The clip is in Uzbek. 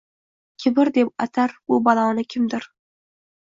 “Kibr” deb atar bu baloni kimdir